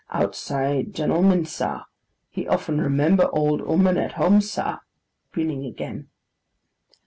'Outside gentleman sa, he often remember old 'ooman at home sa,' grinning again.